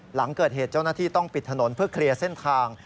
หลังเกิดเหตุเจ้าหน้าที่ต้องปิดถนนเพื่อเคลียร์เส้นทาง